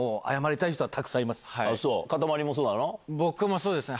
そうですね。